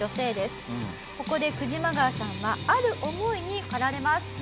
ここでクジマガワさんはある思いに駆られます。